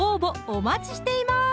お待ちしています